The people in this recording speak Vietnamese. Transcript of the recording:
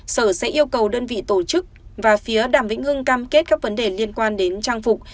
sở sẽ yêu cầu đơn vị tổ chức và phía đàm vĩnh ngưng cam kết các vấn đề liên quan đến trang phục